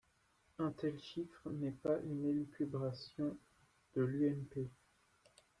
Un tel chiffre n’est pas une élucubration de l’UMP.